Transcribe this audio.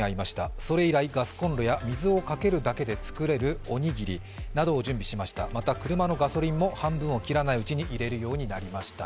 それ以来、ガスこんろや水をかけるだけでできるおにぎり、また車のガソリンも半分を切らないうちに入れるようになりました。